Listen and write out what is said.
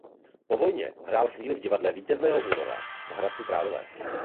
Po vojně hrál chvíli v Divadle Vítězného Února v Hradci Králové.